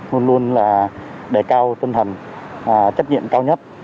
luôn luôn là đề cao tinh thần trách nhiệm cao nhất